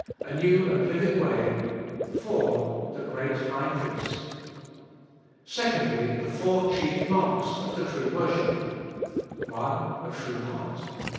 A New and Living Way. 4. The Great High Priest. II. The four chief Marks of the true worshipper : 1. A True Heart.